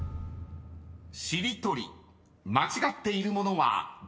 ［しりとり間違っているものはどれ？］